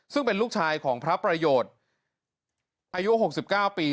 ซึ่งเป็นลูกชายของพระประโยชน์อายุหกสิบเก้าปี